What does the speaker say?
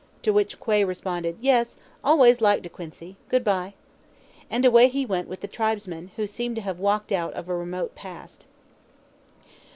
to which Quay responded, "Yes; always liked De Quincey; good by." And away he went with the tribesmen, who seemed to have walked out of a remote past.